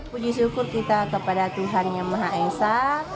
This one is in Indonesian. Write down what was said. puji syukur kita kepada tuhan yang maha esa